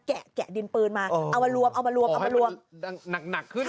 แกะแกะดินปืนมาเอามารวมเอามารวมเอามารวมอ๋อให้มันหนักหนักขึ้นเลยนะ